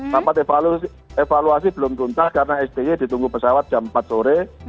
rapat evaluasi belum tuntas karena sti ditunggu pesawat jam empat sore